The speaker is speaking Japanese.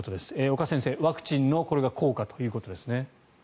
岡先生、ワクチンのこれが効果ということですね。